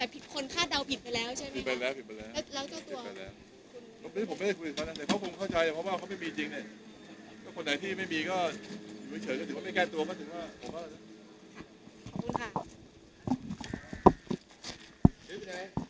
แต่คนคาดเดาผิดไปแล้วใช่ไหมครับ